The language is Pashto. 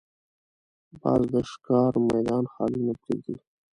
باز د ښکار میدان خالي نه پرېږدي